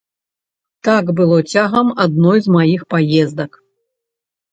Так было цягам адной з маіх паездак.